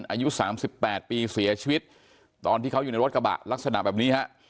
อายุ๓๘ปีเสียชีวิตตอนที่เขาอยู่ในรถกระบะลักษณะแบบนี้ฮะ